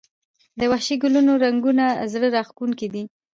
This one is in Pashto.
د وحشي ګلونو رنګونه زړه راښکونکي دي